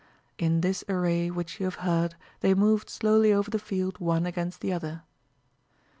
In this array wHch you have heard they moved slowly over the field one against the other.